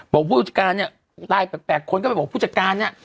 ผู้จัดการเนี่ยตายแปลกคนก็ไปบอกผู้จัดการเนี่ย